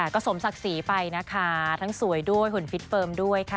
ก็สมศักดิ์ศรีไปนะคะทั้งสวยด้วยหุ่นฟิตเฟิร์มด้วยค่ะ